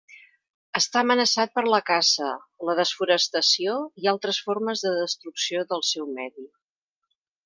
Està amenaçat per la caça, la desforestació i altres formes de destrucció del seu medi.